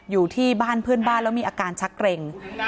อยู่ที่บ้านเพื่อนบ้านแล้วมีอาการชักเกร็ง